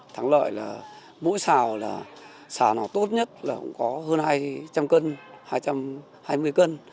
thắng lợi là mỗi xào là xào nào tốt nhất là cũng có hơn hai trăm linh cân hai trăm hai mươi cân